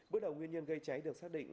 bước đầu nguyên nhân gây cháy được xác định